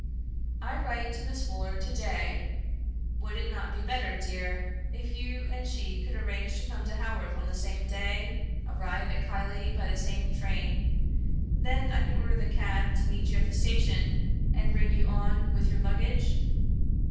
"I write to Miss Wooler to day. Would it not be better, dear, if you and she could arrange to come to Haworth on the same day, arrive at Keighley by the same train; then I could order the cab to meet you at the station, and bring you on with your luggage?